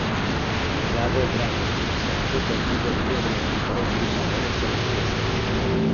Gago Drago se ha convertido en uno de los mejores luchadores holandeses.